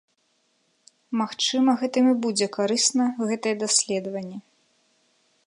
Магчыма гэтым і будзе карысна гэтае даследаванне.